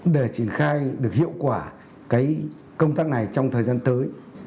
để triển khai được hiệu quả công tác này trong thời gian tới